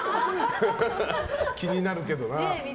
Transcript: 気になるけどな。